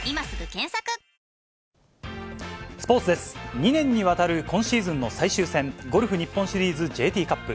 ２年にわたる今シーズンの最終戦、ゴルフ日本シリーズＪＴカップ。